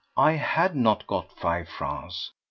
I had not got five francs.